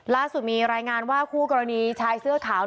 ล่าสุดมีรายงานว่าคู่กรณีชายเสื้อขาว